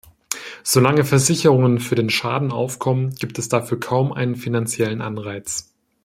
Solange Versicherungen für den Schaden aufkommen, gibt es dafür kaum einen finanziellen Anreiz.